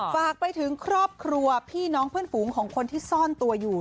ฝากไปถึงครอบครัวพี่น้องเพื่อนฝูงของคนที่ซ่อนตัวอยู่